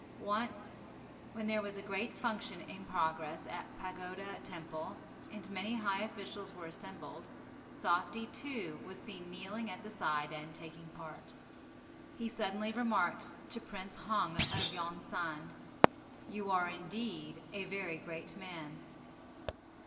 Once, when there was a great function in progress at Pagoda Temple and many high officials were assembled, Softy, too, was seen kneeling at the side and taking part. He suddenly remarked to Prince Hong of Yon san, "You are indeed a very great man."